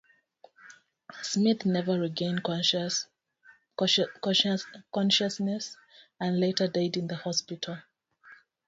Smith never regained consciousness and later died in the hospital.